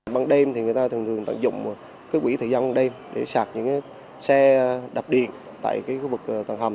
bằng đêm thì người ta thường thường tận dụng cái quỹ thời gian đêm để sạc những cái xe đập điện tại cái khu vực tầng hầm